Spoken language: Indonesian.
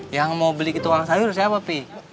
yang mau beli tukang sayur siapa pi